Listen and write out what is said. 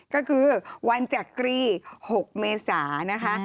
ก็คือวันจักรี๖เมษานะคะ